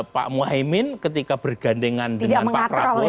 pak muhaymin ketika bergandengan dengan pak prabowo